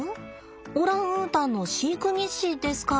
オランウータンの飼育日誌ですか。